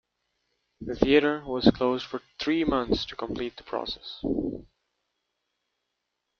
The theater was closed for three months to complete the process.